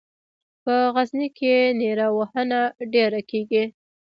په غزني کې نیره وهنه ډېره کیږي.